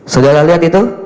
saudara lihat itu